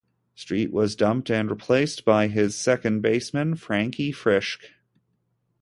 Street was dumped and replaced by his second baseman, Frankie Frisch.